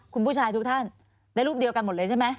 คุณผู้ชายทุกท่านได้รูปเดียวกันหมดเลยใช่ไหม